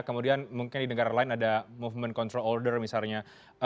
kemudian mungkin di negara lain ada movement control order misalnya